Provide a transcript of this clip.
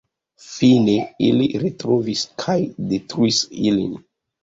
Fine, ili retrovis kaj detruis ilin.